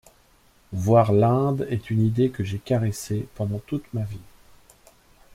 Voir l’Inde est une idée que j’ai caressée pendant toute ma vie.